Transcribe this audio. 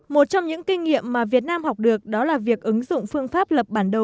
một trong những kinh nghiệm mà việt nam học được đó là việc ứng dụng phương pháp lập bản đầu